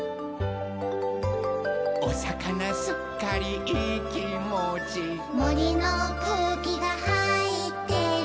「おさかなすっかりいいきもち」「もりのくうきがはいってる」